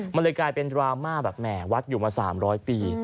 มันเลยกลายเป็นดราม่าแบบแหมวัดอยู่มา๓๐๐ปี